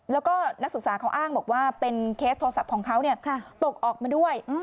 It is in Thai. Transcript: แล้วก็นักศึกษาเขาอ้างบอกว่าเป็นเคสโทรศัพท์ของเขาตกออกมาด้วย